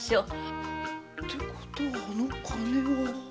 てことはあの金は。